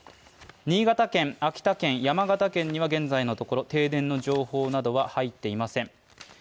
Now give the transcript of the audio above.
新潟県、秋田県、山形県には現在のところ提言の情報などは入っていません。